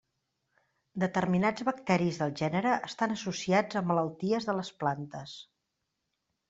Determinats bacteris del gènere estan associats a malalties de les plantes.